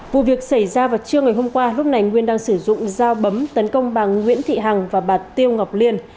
vụ việc xảy ra vào trưa ngày hôm qua lúc này nguyên đang sử dụng dao bấm tấn công bà nguyễn thị hằng và bà tiêu ngọc liên